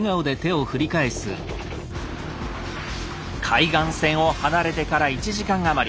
海岸線を離れてから１時間余り。